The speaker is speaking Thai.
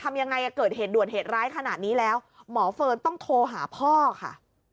ทำยังไงเกิดเหตุด่วนเหตุร้ายขนาดนี้แล้วหมอเฟิร์นต้องโทรหาพ่อค่ะ